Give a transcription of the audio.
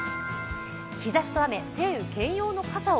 日ざしと雨、晴雨兼用の傘を。